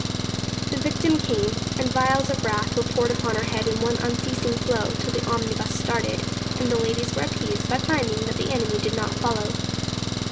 The victim came, and vials of wrath were poured upon her head in one unceasing flow till the omnibus started, and the ladies were appeased by finding that the enemy did not follow.